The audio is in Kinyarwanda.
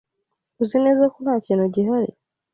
Uzi neza ko nta kintu gihari?